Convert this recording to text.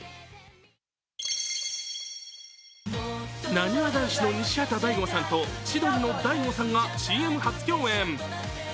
なにわ男子の西畑大吾さんと千鳥の大悟さんがＣＭ初共演。